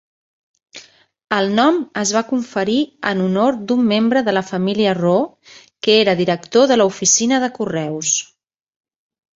El nom es va conferir en honor d'un membre de la família Roo, que era director de l'oficina de correus.